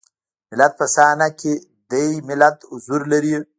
ملت په صحنه کې دی ملت حضور لري.